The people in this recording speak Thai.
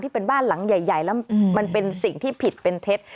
เป็นบ้านหลังใหญ่แล้วมันเป็นสิ่งที่ผิดเป็นเท็จ